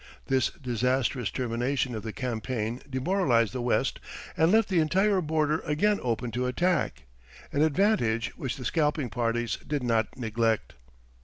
This disastrous termination of the campaign demoralized the West and left the entire border again open to attack an advantage which the scalping parties did not neglect.